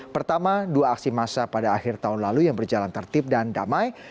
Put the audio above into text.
pertama dua aksi massa pada akhir tahun lalu yang berjalan tertib dan damai